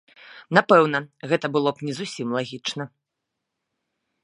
Напэўна, гэта было б не зусім лагічна.